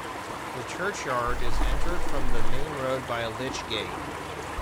The church-yard is entered from the main road by a lychgate.